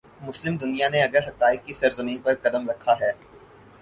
مسلم دنیا نے اگر حقائق کی سرزمین پر قدم رکھا ہے۔